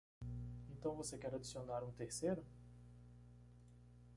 Então você quer adicionar um terceiro?